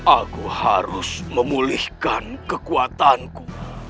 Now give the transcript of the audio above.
aku harus memulihkan kekuatanku